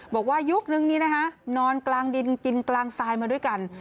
ยุคนึงนี้นะคะนอนกลางดินกินกลางทรายมาด้วยกัน